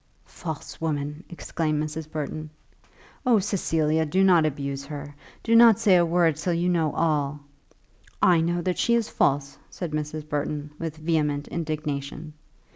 "False woman!" exclaimed Mrs. Burton. "Oh, Cecilia, do not abuse her, do not say a word till you know all." "I know that she is false," said Mrs. Burton, with vehement indignation.